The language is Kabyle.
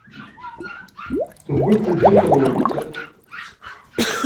Tewwi-kent tiṭ-nwent.